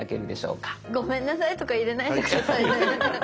「ごめんなさい」とか入れないで下さいね。